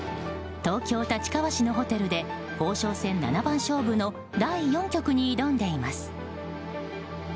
東京・立川市のホテルで王将戦七番勝負の第４局に挑んでいます。